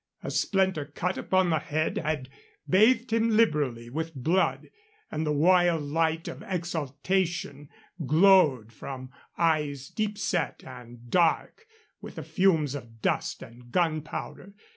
A splinter cut upon the head had bathed him liberally with blood, and the wild light of exultation glowed from eyes deep set and dark with the fumes of dust and gunpowder.